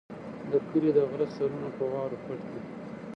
د کلي د غره سرونه په واورو پټ دي.